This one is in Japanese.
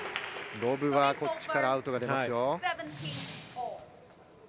ロブはこっちからアウトが出ますよ。